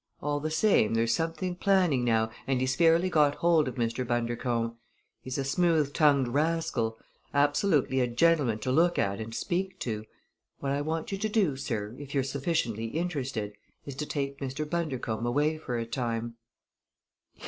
All the same there's something planning now and he's fairly got hold of Mr. Bundercombe. He's a smooth tongued rascal absolutely a gentleman to look at and speak to. What I want you to do, sir, if you're sufficiently interested, is to take Mr. Bundercombe away for a time."